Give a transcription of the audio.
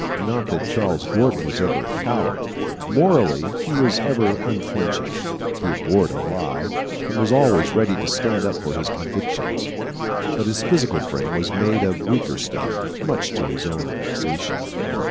Not that Charles Gordon was ever a coward. Morally he was ever unflinching. He abhorred a lie, and was always ready to stand up for his convictions. But his physical frame was made of weaker stuff much to his own vexation.